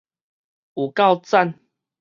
有夠讚